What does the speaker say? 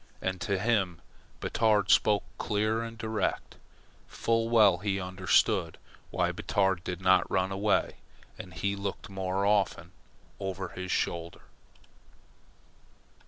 And to him Batard spoke clear and direct. Full well he understood why Batard did not run away, and he looked more often over his shoulder.